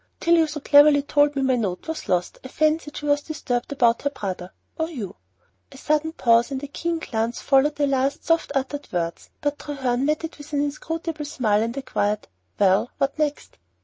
Till you so cleverly told me my note was lost, I fancied she was disturbed about her brother or you." A sudden pause and a keen glance followed the last softly uttered word, but Treherne met it with an inscrutable smile and a quiet "Well, what next?"